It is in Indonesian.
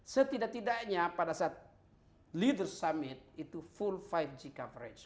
setidak tidaknya pada saat leader summit itu full lima g coverage